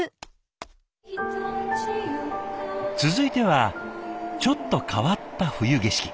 続いてはちょっと変わった冬景色。